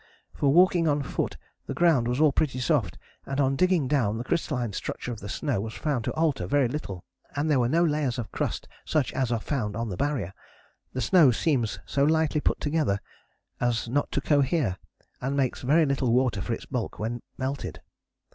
For walking on foot the ground was all pretty soft, and on digging down the crystalline structure of the snow was found to alter very little, and there were no layers of crust such as are found on the Barrier. The snow seems so lightly put together as not to cohere, and makes very little water for its bulk when melted.